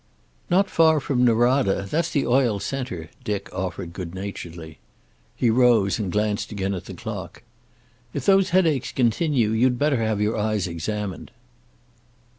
"Not far from Norada. That's the oil center," Dick offered, good naturedly. He rose, and glanced again at the clock. "If those headaches continue you'd better have your eyes examined."